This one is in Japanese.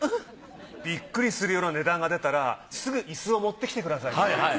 ビックリするような値段が出たらすぐイスを持ってきてください。